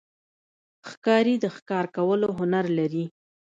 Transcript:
ښکاري د ښکار کولو هنر لري.